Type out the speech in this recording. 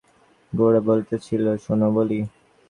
গোরা বলিতেছিল, শোনো বলি।